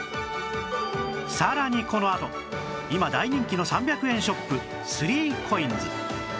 さらにこのあと今大人気の３００円ショップ ３ＣＯＩＮＳ